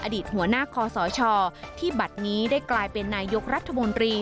อดีตหัวหน้าคอสชที่บัตรนี้ได้กลายเป็นนายกรัฐมนตรี